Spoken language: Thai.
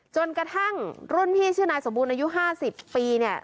จนกระทั่งรุ่นพี่ชื่อนายสมบูรณ์อายุ๕๐ปีเนี่ย